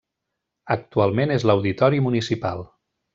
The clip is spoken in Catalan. Actualment és l'Auditori Municipal.